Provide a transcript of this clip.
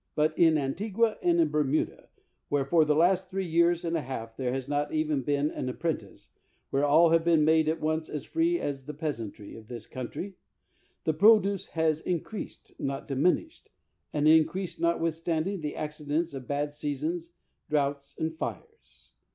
But in Antigua and in Ber muda, where for the last three years and a half there has not even been an apprentice — where all have been made at once as free as the peasantry of this country — the produce has in creased, not diminished, and increased notwith standing the accidents of bad seasons, droughts, and fires.